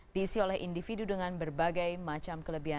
diisi oleh individu dengan berbagai macam kelebihan